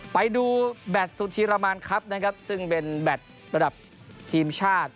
ไปดูแบตสุธีรามานครับนะครับซึ่งเป็นแบตระดับทีมชาติ